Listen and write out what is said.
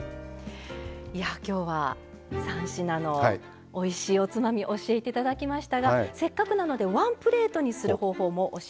今日は３品のおいしいおつまみを教えて頂きましたがせっかくなのでワンプレートにする方法も教えて頂きましょう。